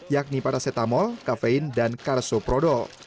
yakni paracetamol kafein dan carsoprodol